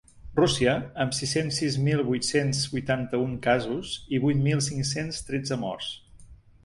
Rússia, amb sis-cents sis mil vuit-cents vuitanta-un casos i vuit mil cinc-cents tretze morts.